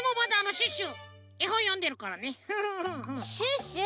・シュッシュ！